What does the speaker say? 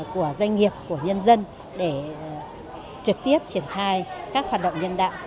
của doanh nghiệp của nhân dân để trực tiếp triển khai các hoạt động nhân đạo